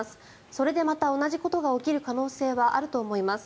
それでまた同じことが起きる可能性はあると思います。